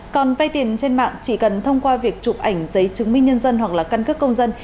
còn vay tiền trên mạng chỉ cần thông qua việc chụp ảnh giấy chứng minh nhân dân hoặc là căn cước công dân